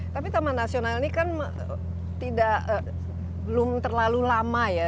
tapi taman nasional ini kan belum terlalu lama ya